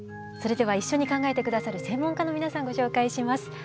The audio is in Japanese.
それでは一緒に考えて下さる専門家の皆さんご紹介します。